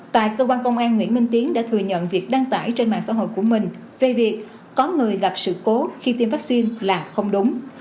tại cơ quan công an nguyễn minh tiến đã thừa nhận việc đăng tải trên mạng xã hội của mình về việc có người gặp sự cố khi tiêm vaccine là không đúng